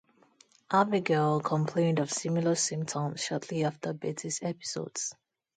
Abigail complained of similar symptoms shortly after Betty's episodes.